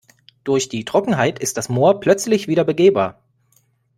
Durch die Trockenheit ist das Moor plötzlich wieder begehbar.